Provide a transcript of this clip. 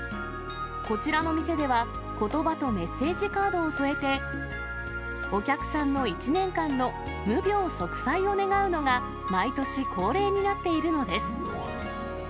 こちらの店では、ことばとメッセージカードを添えて、お客さんの一年間の無病息災を願うのが、毎年恒例になっているのです。